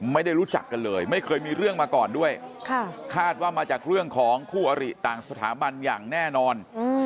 ไม่ได้รู้จักกันเลยไม่เคยมีเรื่องมาก่อนด้วยคาดว่ามาจากเรื่องของคู่อริต่างสถาบันอย่างแน่นอน